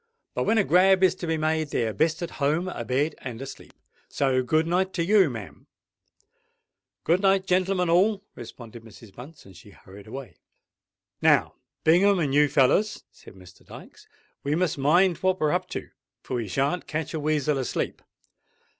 But when a grab is to be made, they're best at home, a bed and asleep. So good night to you, ma'am." "Good night, gentlemen all," responded Mrs. Bunce; and she hurried away. "Now, Bingham and you fellers," said Mr. Dykes, "we must mind what we're up to; for we shan't catch a weasel asleep.